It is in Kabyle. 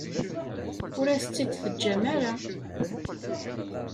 Ur as-tt-id-teǧǧam ara.